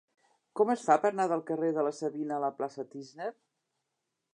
Com es fa per anar del carrer de la Savina a la plaça de Tísner?